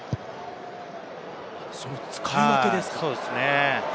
使い分けですか。